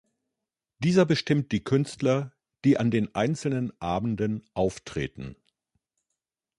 Dieser bestimmt die Künstler, die an den einzelnen Abenden auftreten.